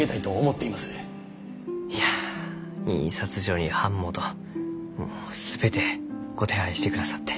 いや印刷所に版元もう全てご手配してくださって。